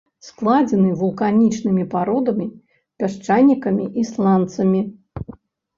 Складзены вулканічнымі пародамі, пясчанікамі і сланцамі.